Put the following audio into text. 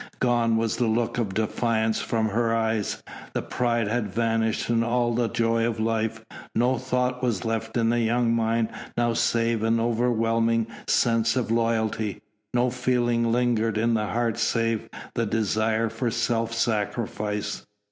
Gone was the look of defiance from her eyes, the pride had vanished and all the joy of life; no thought was left in the young mind now save an overwhelming sense of loyalty, no feeling lingered in the heart save the desire for self sacrifice.